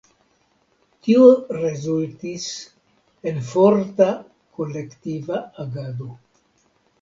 Tio rezultis en forta kolektiva agado.